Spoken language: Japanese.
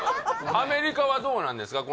アメリカはどうなんですか？